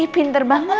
ih pinter banget